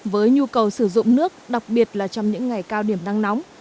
với nhu cầu sử dụng nước đặc biệt là trong những ngày cao điểm nắng nóng